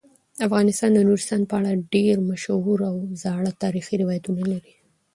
افغانستان د نورستان په اړه ډیر مشهور او زاړه تاریخی روایتونه لري.